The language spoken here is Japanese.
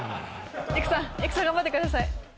育さん育さん頑張ってください！